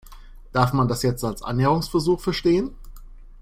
Darf man das jetzt als Annäherungsversuch verstehen?